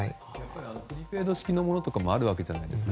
プリペイド式のものとかもあるわけじゃないですか。